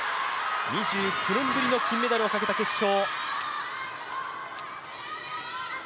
２９年ぶりの金メダルをかけた決勝。